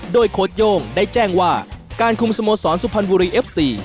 โดยโค้ดโย่งได้แจ้งว่าการคุมสโมสรสุพรรณบุรีเอฟซี